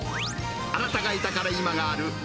あなたがいたから今がある！